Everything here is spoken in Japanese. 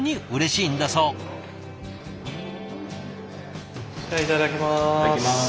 いただきます。